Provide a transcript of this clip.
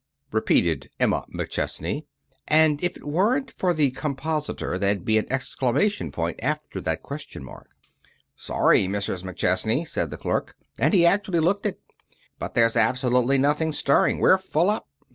repeated Emma McChesney (and if it weren't for the compositor there'd be an exclamation point after that question mark). "Sorry, Mrs. McChesney," said the clerk, and he actually looked it, "but there's absolutely nothing stirring. We're full up.